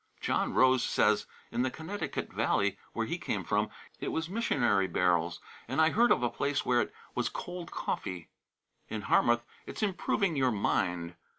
John Rose says, in the Connecticut Valley, where he came from, it was missionary barrels; and I heard of a place where it was cold coffee. In Harmouth it's improving your mind.